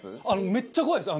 めっちゃ怖いです。